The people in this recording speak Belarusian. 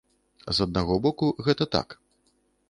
З аднаго боку, гэта так.